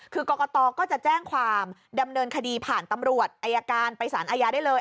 คือกรกตก็จะแจ้งความดำเนินคดีผ่านตำรวจอายการไปสารอาญาได้เลย